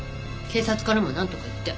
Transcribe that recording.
警察からもなんとか言って。